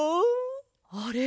あれ？